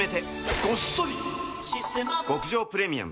極上プレミアム